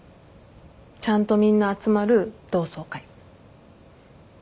ちゃんとみんな集まる同窓会。